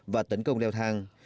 và tấn công leo thang